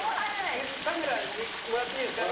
カメラにもらっていいですか？